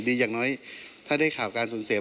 อย่างน้อยถ้าได้ข่าวการสูญเสีย